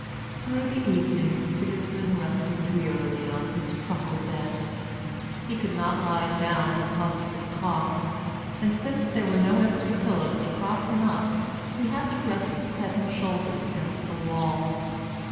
Through the evening Sigismund rested wearily on his truckle bed. He could not lie down because of his cough, and, since there were no extra pillows to prop him up, he had to rest his head and shoulders against the wall.